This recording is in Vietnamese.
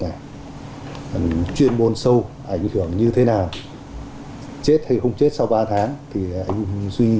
này chuyên môn sâu ảnh hưởng như thế nào chết hay không chết sau ba tháng thì anh duy thì cơ quan